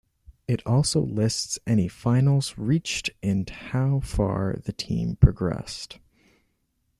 It also lists any finals reached and how far the team progressed.